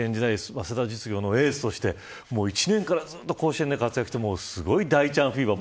早稲田実業のエースとして１年から甲子園で活躍してすごい大ちゃんフィーバー